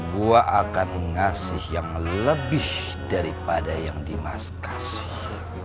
gue akan ngasih yang lebih daripada yang dimas kasih